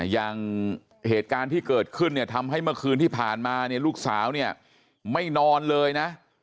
อย่างเหตุการณ์ที่เกิดขึ้นเนี่ยทำให้เมื่อคืนที่ผ่านมาเนี่ยลูกสาวเนี่ยไม่นอนเลยนะ